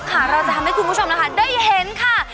ค่ะเราจะทำให้คุณผู้ชมแล้วค่ะได้เห็นค่ะ